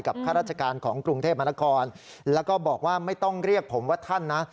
ข้าราชการของกรุงเทพมนครแล้วก็บอกว่าไม่ต้องเรียกผมว่าท่านนะ